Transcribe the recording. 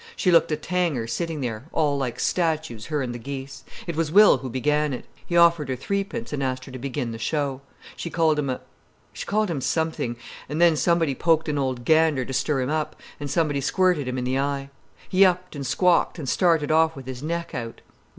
She looked a tanger sitting there, all like statues, her and the geese. It was Will who began it. He offered her three pence and asked her to begin the show. She called him a—she called him something, and then somebody poked an old gander to stir him up, and somebody squirted him in the eye. He upped and squawked and started off with his neck out.